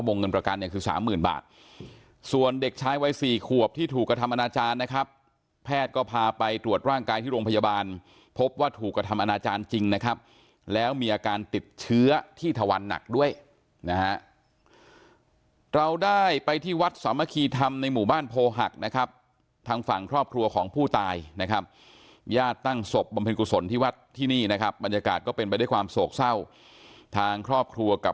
นะครับแพทย์ก็พาไปตรวจร่างกายที่โรงพยาบาลพบว่าถูกกระทำอาณาจารย์จริงนะครับแล้วมีอาการติดเชื้อที่ถวันหนักด้วยนะฮะเราได้ไปที่วัดสามะคีธรรมในหมู่บ้านโพหักนะครับทางฝั่งครอบครัวของผู้ตายนะครับญาติตั้งศพบำเพ็ญกุศลที่วัดที่นี่นะครับบรรยากาศก็เป็นไปด้วยความโศกเศร้าทางครอบครัวกั